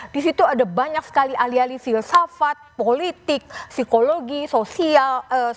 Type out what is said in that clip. di situ ada banyak sekali alih alih filsafat politik psikologi sosial